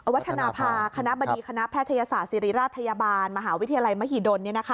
วัฒนภาคณะบดีคณะแพทยศาสตร์ศิริราชพยาบาลมหาวิทยาลัยมหิดล